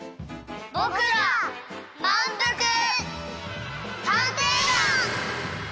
ぼくらまんぷく探偵団！